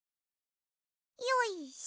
よいしょ！